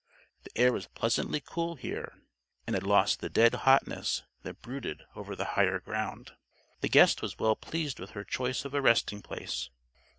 The air was pleasantly cool here, and had lost the dead hotness that brooded over the higher ground. The guest was well pleased with her choice of a resting place.